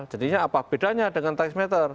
jadinya apa bedanya dengan taksi meter